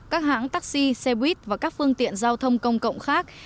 các hãng taxi xe buýt và các phương tiện giao thông công cộng khác